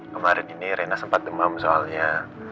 kemarin ini rena sempat demam soalnya